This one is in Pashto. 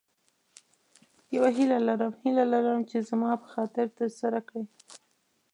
یوه هیله لرم هیله لرم چې هغه زما په خاطر تر سره کړې.